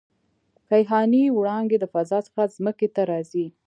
کیهاني وړانګې د فضا څخه ځمکې ته راځي.